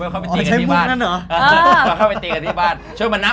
เข้าไปตีกันที่บ้าน